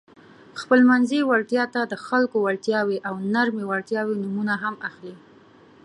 خپلمنځي وړتیا ته د خلکو وړتیاوې او نرمې وړتیاوې نومونه هم اخلي.